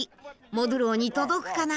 モドゥローに届くかな？